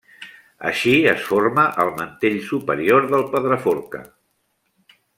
Així es forma el mantell superior del Pedraforca.